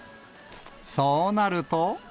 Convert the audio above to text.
そうなると。